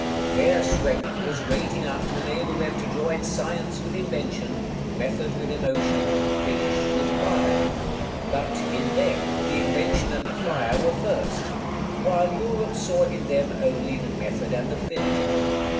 Their strength was great enough to enable them to join science with invention, method with emotion, finish with fire; but, in them, the invention and the fire were first, while Europe saw in them only the method and the finish.